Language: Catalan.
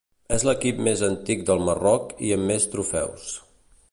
És l'equip més antic del Marroc i amb més trofeus.